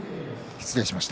失礼しました。